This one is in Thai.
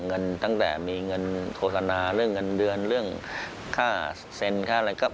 เงินตั้งแต่มีเงินโฆษณาเรื่องเงินเดือนเรื่องค่าเซ็นค่าอะไรก็